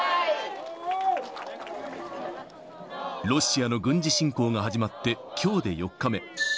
ロシアの軍事侵攻が始まってきょうで４日目。